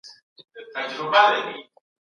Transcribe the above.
هيڅکله د سياست اصطلاح په محدوده مانا مه کاروئ.